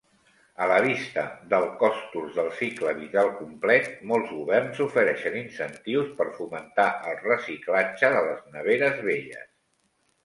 A la vista del costos del cicle vital complet, molts governs ofereixen incentius per fomentar el reciclatge de les neveres velles.